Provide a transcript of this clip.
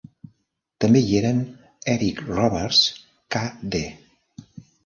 També hi eren Eric Roberts, k.d.